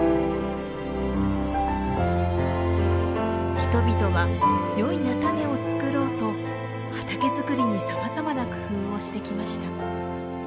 人々はよい菜種を作ろうと畑づくりにさまざまな工夫をしてきました。